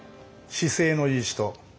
姿勢のいい人。